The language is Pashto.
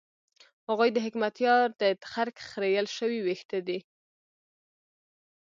هغوی د حکمتیار د تخرګ خرېیل شوي وېښته دي.